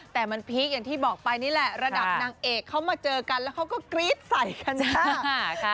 แต่มันพีคอย่างที่บอกไปนี่แหละระดับนางเอกเขามาเจอกันแล้วเขาก็กรี๊ดใส่กันจ้า